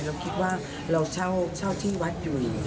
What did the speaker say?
เราคิดว่าเราเช่าที่วัดอยู่